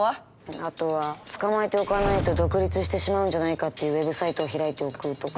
あとはつかまえておかないと独立してしまうんじゃないかっていうウェブサイトを開いておくとか。